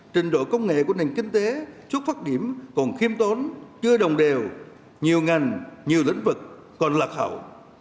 trình độ công nghệ của nền kinh tế xuất phát điểm còn khiêm tốn chưa đồng đều nhiều ngành nhiều lĩnh vực còn lạc hậu